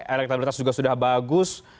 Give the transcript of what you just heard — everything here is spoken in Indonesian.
elektabilitas juga sudah bagus